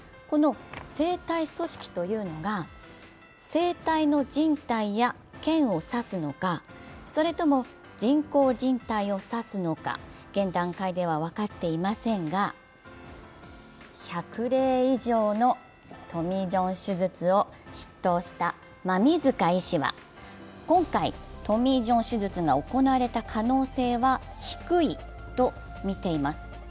生体組織が生体のじん帯やけんを指すのか、それとも人工じん帯を指すのか現段階では分かっていませんが１００例以上のトミー・ジョン手術を執刀した馬見塚医師は、今回、トミー・ジョン手術が行われた可能性は低いとみています。